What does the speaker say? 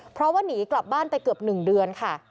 เพราะว่าหนีกลับบ้านไปเกือบ๑เดือนค่ะ